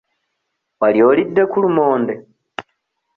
Wali olidde ku lumonde?